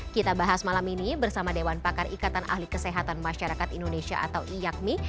kita bahas malam ini bersama dewan pakar ikatan ahli kesehatan masyarakat indonesia atau iakmi